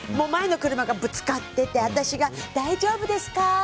前の車がぶつかってて私が大丈夫ですか？